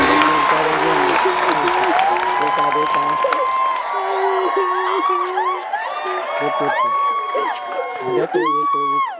อันดับ๔